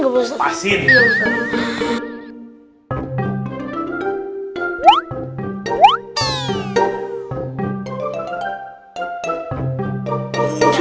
juga ajar ke